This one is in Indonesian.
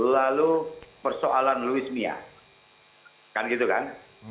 lalu persoalan louis mia kan gitu kan